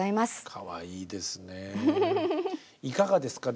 かわいいですね。